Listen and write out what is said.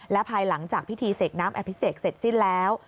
และภายหลังจากพิธีเสกน้ำอภิเษกเสร็จสิ้นแล้ว